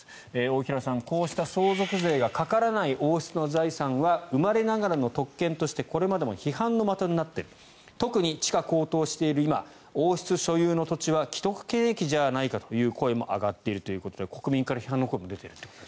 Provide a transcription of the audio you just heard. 大平さん、こうした相続税がかからない王室の財産は生まれながらの特権としてこれまでも批判の的となっている特に地価高騰している今王室所有の土地は既得権益じゃないかという声も上がっているということで国民から批判の声も出ていると。